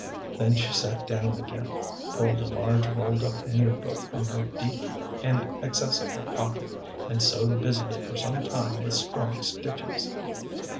Then she sat down again, pulled a large rolled up needlebook from her deep and accessible pocket, and sewed busily for some time with strong stitches.